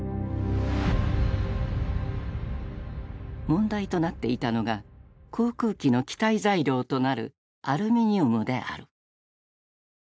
問題となっていたのが航空機の機体材料となるアルミニウムである。